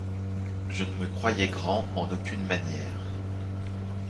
Je ne me croyais grand en aucune manière.